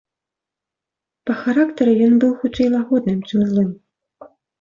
Па характары ён быў хутчэй лагодным, чым злым.